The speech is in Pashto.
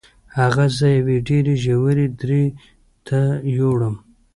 هغه زه یوې ډیرې ژورې درې ته یووړم.